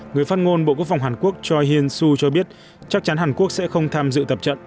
người phát ngôn bộ quốc phòng hàn quốc choi hyun su cho biết chắc chắn hàn quốc sẽ không tham dự tập trận